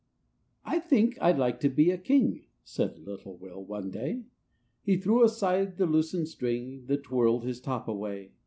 T THINK I'd like to he a king," J Said little Will, one day; He threw aside the loosened string, That twirled his top away.